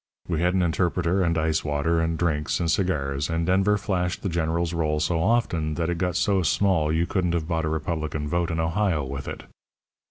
We had an interpreter, and ice water, and drinks, and cigars, and Denver flashed the General's roll so often that it got so small you couldn't have bought a Republican vote in Ohio with it.